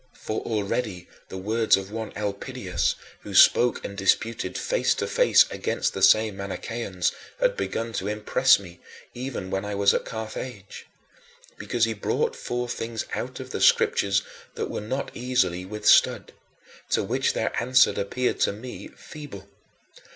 For already the words of one Elpidius, who spoke and disputed face to face against these same Manicheans, had begun to impress me, even when I was at Carthage; because he brought forth things out of the Scriptures that were not easily withstood, to which their answers appeared to me feeble.